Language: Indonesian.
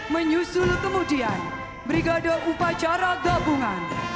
yang seluruhnya adalah unsur unsur dari tni angkatan darat